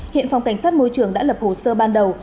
hiện phòng cảnh sát môi trường đã lập hồ sơ ban đầu